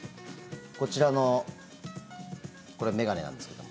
こちらの眼鏡なんですけど。